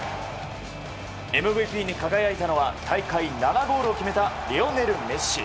ＭＶＰに輝いたのは大会７ゴールを決めたリオネル・メッシ。